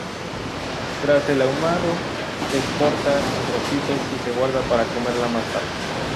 Tras el ahumado, se corta en trocitos y se guarda para comerla más tarde.